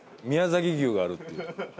宮崎牛があるっていう。